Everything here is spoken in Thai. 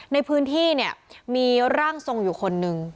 ในพื้นที่เนี่ยมีร่างทรงอยู่คนนึง